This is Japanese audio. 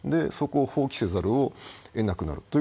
そこを放棄せざるをえなくなる。